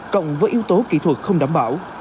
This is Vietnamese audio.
cộng với yếu tố kỹ thuật không đảm bảo